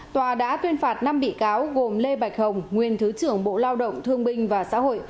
tòa đã tuyên phạt năm bị cáo gồm lê bạch hồng nguyên thứ trưởng bộ lao động thương binh và xã hội